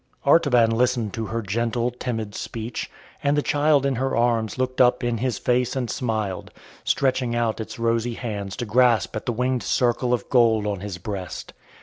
Artaban listened to her gentle, timid speech, and the child in her arms looked up in his face and smiled, stretching out its rosy hands to grasp at the winged circle of gold on his breast.